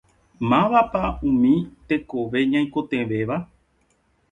Mávapa umi tekove ñaikotevẽvéva?